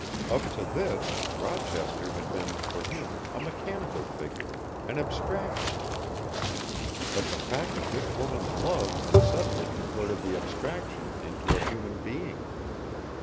Up to this Rochester had been for him a mechanical figure, an abstraction, but the fact of this woman's love had suddenly converted the abstraction into a human being.